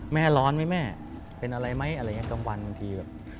ร้อนไหมแม่เป็นอะไรไหมอะไรอย่างนี้กลางวันบางทีแบบ